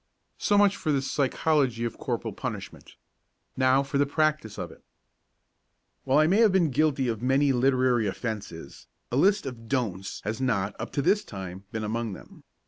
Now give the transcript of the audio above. So much for the psychology of corporal punishment. Now for the practice of it. While I may have been guilty of many literary offences, a list of "Don'ts" has not, up to this time, been among them.